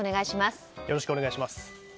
よろしくお願いします。